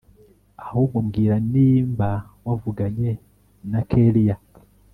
ahubwo mbwira nimba wavuganye na kellia